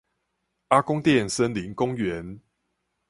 阿公店森林公園